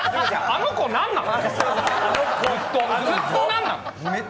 あの子、何なの？